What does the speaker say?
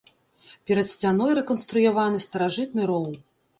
Перад сцяной рэканструяваны старажытны роў.